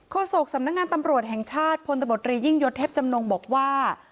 โศกสำนักงานตำรวจแห่งชาติพลตบตรียิ่งยศเทพจำนงบอกว่า